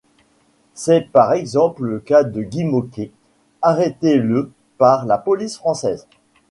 C'est par exemple le cas de Guy Môquet, arrêté le par la police française.